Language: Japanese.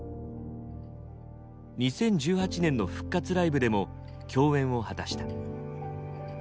２０１８年の復活ライブでも共演を果たした。